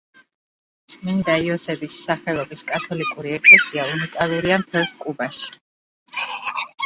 წმინდა იოსების სახელობის კათოლიკური ეკლესია უნიკალურია მთელს კუბაში.